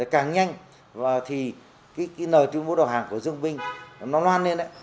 càng nhanh thì cái nời tuyên bố đọc hàng của dương nguyên minh nó loan lên ấy